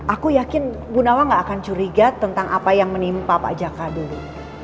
aku yakin bu nawa gak akan curiga tentang apa yang menimpa pak jaka dulu